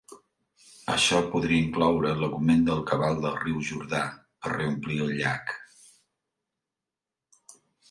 Això podria incloure l'augment del cabal del riu Jordà per reomplir el llac.